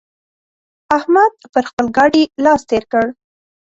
احمد پر خپل ګاډي لاس تېر کړ.